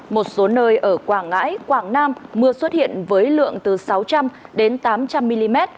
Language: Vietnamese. một số nơi ở quảng ngãi quảng nam mưa xuất hiện với lượng từ sáu trăm linh đến tám trăm linh mm